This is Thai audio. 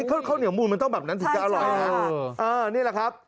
เอ้ยข้าวเหนียวมูลมันต้องแบบนั้นสิจะอร่อยนะใช่ใช่เออนี่แหละครับ